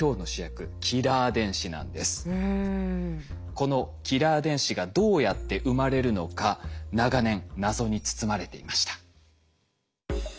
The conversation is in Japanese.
このキラー電子がどうやって生まれるのか長年謎に包まれていました。